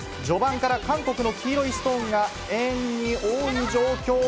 序盤から韓国の黄色いストーンが円に多い状況。